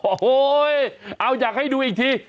โอ้โหเอาอยากให้ดูอีกที